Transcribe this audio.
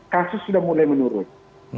kasus sudah mulai menurun